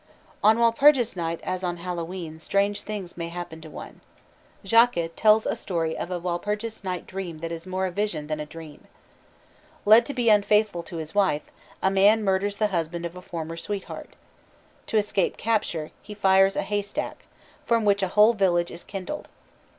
On Walpurgis Night as on Hallowe'en strange things may happen to one. Zschokke tells a story of a Walpurgis Night dream that is more a vision than a dream. Led to be unfaithful to his wife, a man murders the husband of a former sweetheart; to escape capture he fires a haystack, from which a whole village is kindled.